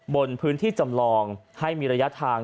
บนพื้นที่จำลองให้มีระยะทาง